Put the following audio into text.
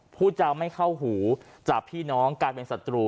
ผู้จะไม่เข้าหูจากพี่น้องกลายเป็นศัตรู